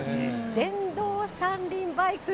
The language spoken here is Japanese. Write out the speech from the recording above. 電動三輪バイク。